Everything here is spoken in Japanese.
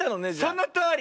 そのとおり。